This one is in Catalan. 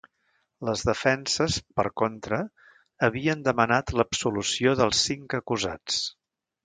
Les defenses, per contra, havien demanat l’absolució dels cinc acusats.